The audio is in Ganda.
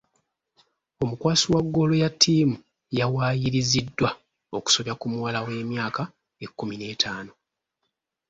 Omukwasi wa ggoolo ya ttiimu yawaayiriziddwa okusobya ku muwala w'emyaka ekkumi n'etaano.